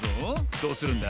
どうするんだ？